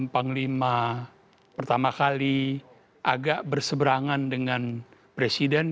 panglima pertama kali agak berseberangan dengan presiden